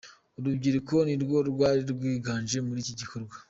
Urubyiruko nirwo rwari rwiganje muri iki gikorwa.